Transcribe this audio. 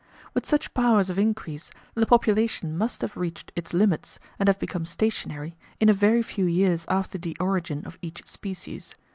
With such powers of increase the population must have reached its limits, and have become stationary, in a very few years after the origin of each species.